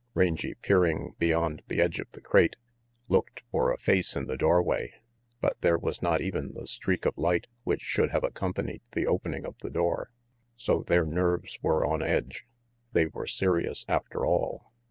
Rangy, peering beyond the edge of the crate, looked for a face in the doorway, but there was not even the streak of light which should have accompanied the opening of the door. So their nerves were on edge! They were serious, after all!